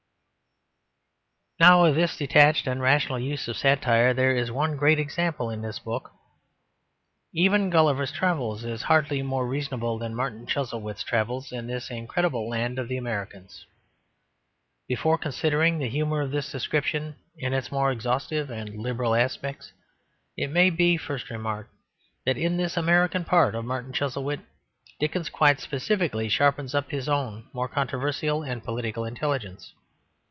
Now of this detached and rational use of satire there is one great example in this book. Even Gulliver's Travels is hardly more reasonable than Martin Chuzzlewit's travels in the incredible land of the Americans. Before considering the humour of this description in its more exhaustive and liberal aspects, it may be first remarked that in this American part of Martin Chuzzlewit, Dickens quite specially sharpens up his own more controversial and political intelligence.